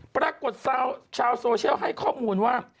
ปรากฏชาวโซเชียลให้ข้อมูลว่า